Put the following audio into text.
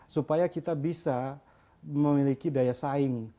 supaya kita bisa memiliki daya saing